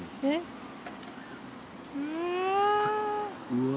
うわ。